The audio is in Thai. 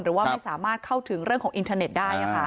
หรือว่าไม่สามารถเข้าถึงเรื่องของอินเทอร์เน็ตได้